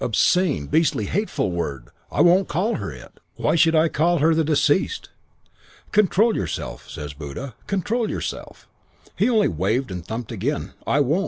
Obscene, beastly, hateful word. I won't call her it. Why should I call her the deceased?' "'Control yourself,' says Buddha. 'Control yourself.' "He only waved and thumped again. 'I won't.